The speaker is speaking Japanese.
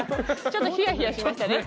ちょっとひやひやしましたね。